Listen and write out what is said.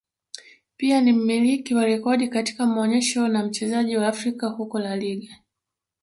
pia ni mmiliki wa rekodi katika maonyesho na mchezaji wa Afrika huko La Liga